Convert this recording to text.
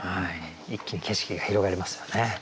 一気に景色が広がりますよね。